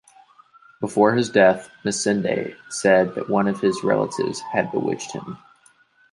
Before his death, Masinde said that one of his relatives had bewitched him.